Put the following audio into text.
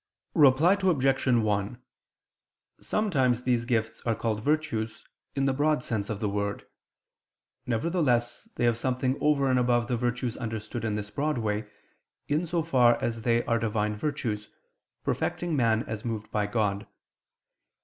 Reply Obj. 1: Sometimes these gifts are called virtues, in the broad sense of the word. Nevertheless, they have something over and above the virtues understood in this broad way, in so far as they are Divine virtues, perfecting man as moved by God.